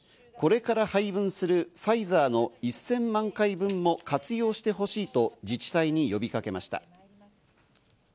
これから配分するファイザーの１０００万回分も活用してほしいと自治体に呼びかけました。